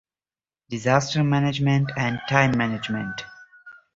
It remains the worst ever plane crash in Angola.